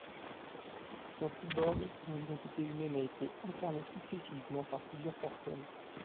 C'est un cyborg dont l'identité humaine a été incarnée successivement par plusieurs personnes.